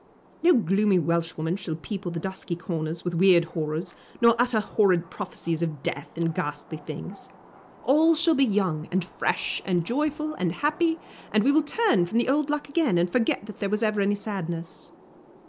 No gloomy Welshwoman shall people the dusky corners with weird horrors, nor utter horrid prophecies of death and ghastly things. All shall be young, and fresh, and joyful, and happy, and we will turn the old luck again, and forget that there was ever any sadness.